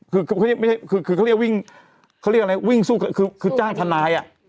คือเขาเรียกไม่ใช่คือเขาเรียกวิ่งเขาเรียกอะไรวิ่งสู้คือคือจ้างทนายอ่ะ